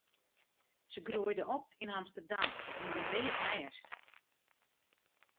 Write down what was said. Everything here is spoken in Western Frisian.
Se groeide op yn Amsterdam yn in read nêst.